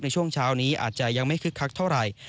ในช่วงเช้านี้อาจจะยังไม่คึกคักเท่าไหร่